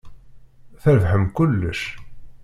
Trebḥem kullec.